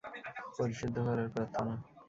পরিশুদ্ধ করার প্রার্থনা!